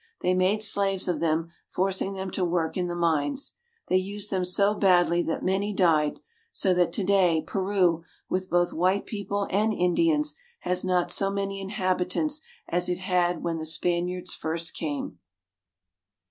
They made slaves of them, forcing them to work in the mines. They used them so badly that many died, so that to day Peru, with both white people and Indians, has not so many inhabitants as it had when the Spaniards first came.